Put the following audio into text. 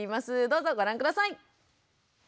どうぞご覧下さい。